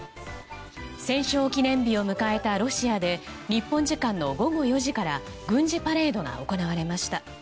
戦勝記念日を迎えたロシアで日本時間の午後４時から軍事パレードが行われました。